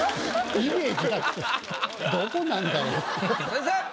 先生！